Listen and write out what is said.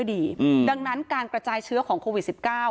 ชุมชนแฟลต๓๐๐๐๐คนพบเชื้อ๓๐๐๐๐คนพบเชื้อ๓๐๐๐๐คน